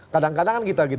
kadang kadangan kita gitu loh